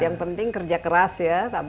yang penting kerja keras ya